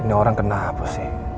ini orang kenapa sih